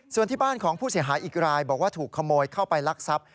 ส่วนที่บ้านของผู้เสียหายอีกรายบอกว่าถูกขโมยเข้าไปลักทรัพย์